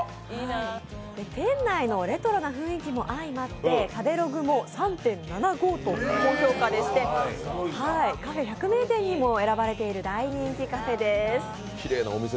店内のレトロな雰囲気も相まって食べログも３．７５と高評価でカフェ百名店にも選ばれている大人気カフェです。